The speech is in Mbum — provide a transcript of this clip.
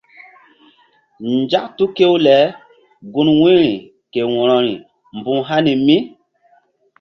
Nzak tu kew le gun wu̧yri ke wo̧rori mbuh hani mí.